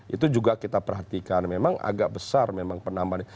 itu juga kita perhatikan memang agak besar memang penambahannya